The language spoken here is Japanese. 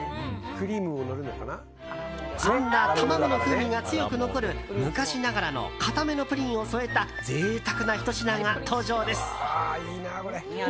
そんな卵の風味が強く残る昔ながらの固めのプリンを添えた贅沢なひと品が登場です。